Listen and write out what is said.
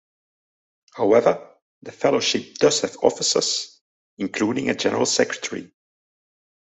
However, the Fellowship does have officers, including a general secretary.